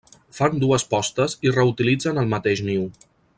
Fan dues postes i reutilitzen el mateix niu.